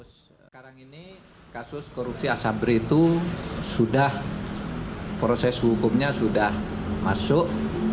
sekarang ini kasus korupsi asabri itu sudah proses hukumnya sudah masuk